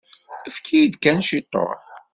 Efk-iyi-d kan ciṭuḥ.